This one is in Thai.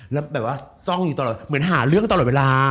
แล้วแบบว่าจ้องอยู่ตลอดเหมือนหาเรื่องตลอดเวลา